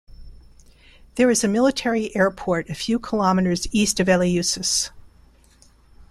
There is a military airport a few kilometers east of Eleusis.